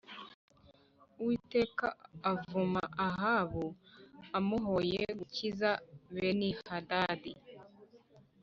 Uwiteka avuma Ahabu amuhoye gukiza Benihadadi